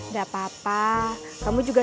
gak apa apa kamu juga